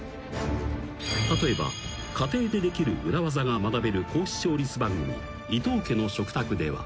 ［例えば家庭でできる裏技が学べる高視聴率番組『伊東家の食卓』では］